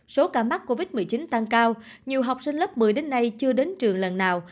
số ca mắc covid một mươi chín tăng cao nhiều học sinh lớp một mươi đến nay chưa đến trường lần nào